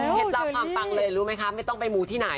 ตัวความฟังที่เลยเลยไม่ต้องไปมูท